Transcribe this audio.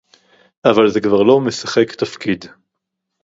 אבל זה כבר לא משחק תפקיד